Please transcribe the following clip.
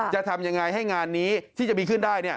จะทำยังไงให้งานนี้ที่จะมีขึ้นได้